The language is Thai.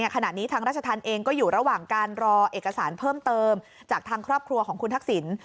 ขณะนี้ทางราชธรรมเองก็อยู่ระหว่างการรอเอกสารเพิ่มเติมจากทางครอบครัวของคุณทักษิณ